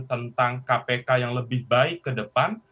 tentang kpk yang lebih baik ke depan